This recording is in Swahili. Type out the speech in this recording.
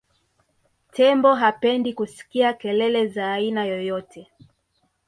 tembo hapendi kusikia kelele za aina yoyote